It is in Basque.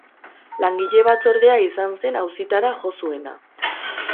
Langile batzordea izan zen auzitara jo zuena.